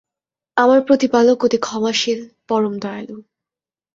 আমার প্রতিপালক অতি ক্ষমাশীল, পরম দয়ালু।